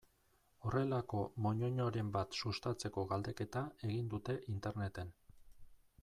Horrelako moñoñoren bat sustatzeko galdeketa egin dute Interneten.